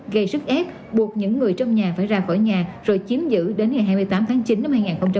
gây sức ép buộc những người trong nhà phải ra khỏi nhà rồi chiếm giữ đến ngày hai mươi tám tháng chín năm hai nghìn hai mươi